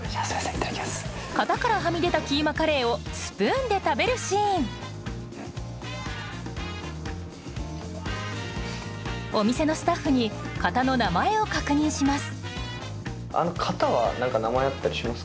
型からはみ出たキーマカレーをスプーンで食べるシーンお店のスタッフに型の名前を確認します